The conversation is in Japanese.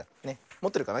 もってるかな？